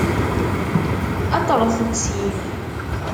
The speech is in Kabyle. Aṭret-d syin!